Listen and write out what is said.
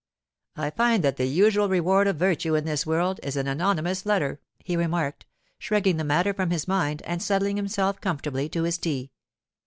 'I find that the usual reward of virtue in this world is an anonymous letter,' he remarked, shrugging the matter from his mind and settling himself comfortably to his tea.